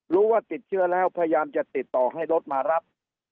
รู้ว่าติดเชื้อแล้วพยายามจะติดต่อให้รถมารับ